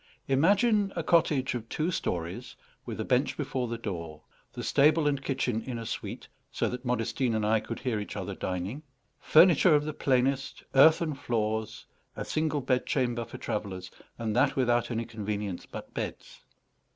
Imagine a cottage of two stories, with a bench before the door; the stable and kitchen in a suite, so that Modestine and I could hear each other dining; furniture of the plainest, earthen floors, a single bed chamber for travellers, and that without any convenience but beds.